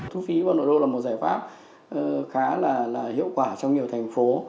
thu phí vào nội đô là một giải pháp khá là hiệu quả trong nhiều thành phố